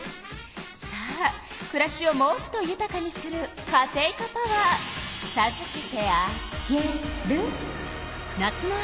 さあくらしをもっとゆたかにするカテイカパワーさずけてあげる。